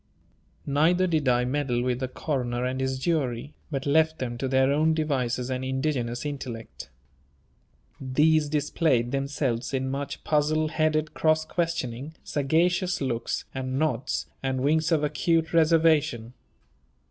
Neither did I meddle with the coroner and his jury, but left them to their own devices and indigenous intellect. These displayed themselves in much puzzle headed cross questioning, sagacious looks, and nods, and winks of acute reservation.